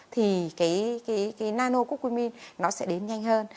thì cái nano cucumin nó sẽ đến nhanh hơn